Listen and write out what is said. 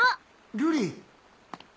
瑠璃！